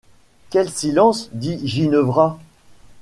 Quel silence ! dit Ginevra.